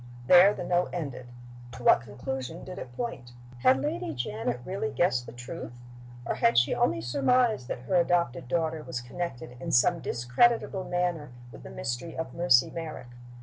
There the note ended. To what conclusion did it point? Had Lady Janet really guessed the truth? or had she only surmised that her adopted daughter was connected in some discreditable manner with the mystery of "Mercy Merrick"?